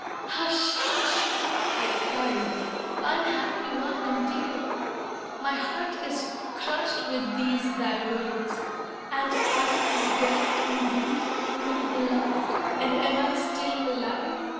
—"Hush, hush!" I cried, "Unhappy one, and dear! My heart is crushed With these thy words! And art thou dead, indeed, O my beloved? and am I still alive?